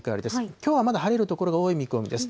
きょうはまだ晴れる所が多い見込みです。